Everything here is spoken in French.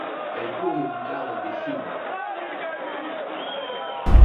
Elle tourne plus tard dans des films.